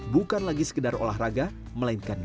bukan lagi sekedar olahraga melainkan